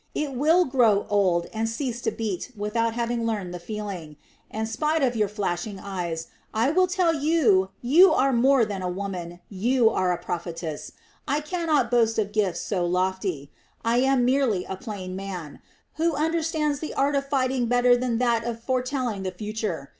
It will grow old and cease to beat without having learned the feeling. And, spite of your flashing eyes, I will tell you you are more than a woman, you are a prophetess. I cannot boast of gifts so lofty. I am merely a plain man, who understands the art of fighting better than that of foretelling the future.